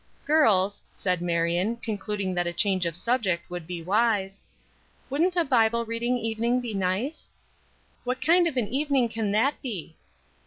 "Girls," said Marion, concluding that a change of subject would be wise, "wouldn't a Bible reading evening be nice?" "What kind of an evening can that be?"